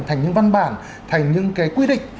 thành những văn bản thành những cái quy định